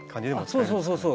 そうそうそうそう。